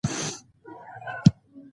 نیکه د خپلې کورنۍ لپاره یو ځواکمن شخصیت دی.